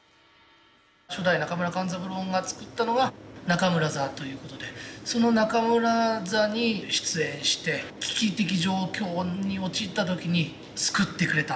初代・中村勘三郎が作ったのが中村座ということでその中村座に出演して危機的状況に陥ったときに救ってくれた。